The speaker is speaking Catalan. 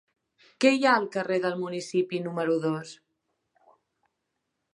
Què hi ha al carrer del Municipi número dos?